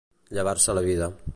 Llevar-se la vida.